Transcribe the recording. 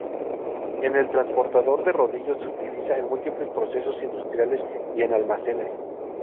El transportador de rodillos se utiliza en múltiples procesos industriales y en almacenes.